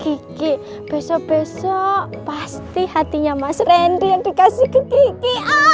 kiki besok besok pasti hatinya mas randy yang dikasih ke gigi